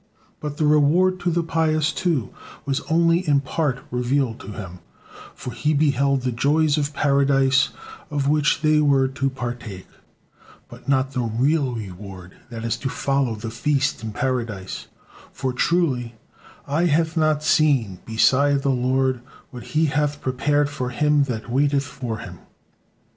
But the reward to the pious, too, was only in part revealed to him, for he beheld the joys of Paradise of which they were to partake, but not the real reward that is to follow the feast in Paradise; for truly "eye hath not seen, beside the Lord, what He hath prepared for him that waiteth for Him."